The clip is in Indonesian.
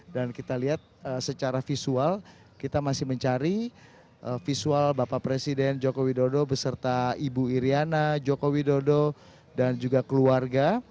dan kita lihat secara visual kita masih mencari visual bapak presiden jokowi dodo beserta ibu iryana jokowi dodo dan juga keluarga